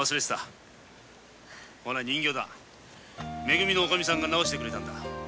め組のおかみさんが直してくれたんだ。